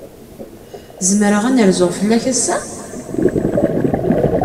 Zemreɣ ad n-rzuɣ fell-ak ass-a?